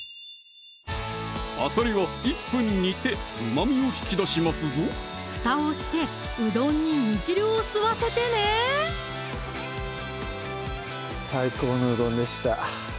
あさりは１分煮て旨味を引き出しますぞふたをしてうどんに煮汁を吸わせてね最高のうどんでした